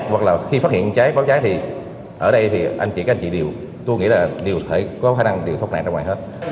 hoặc là khi phát hiện cháy báo cháy thì ở đây thì anh chị các anh chị đều tôi nghĩ là có khả năng đều thoát nạn